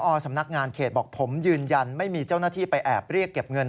สำนักงานเขตบอกผมยืนยันไม่มีเจ้าหน้าที่ไปแอบเรียกเก็บเงิน